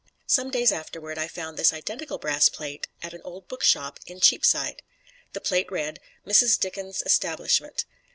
Some days afterward I found this identical brass plate at an old bookshop in Cheapside. The plate read: "Mrs. Dickens' Establishment."